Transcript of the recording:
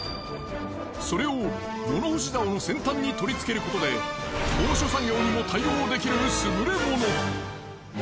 それを物干し竿の先端に取り付けることで高所作業にも対応できるすぐれもの。